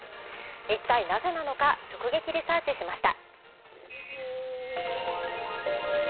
いったいなぜなのか、直撃リサーチしました。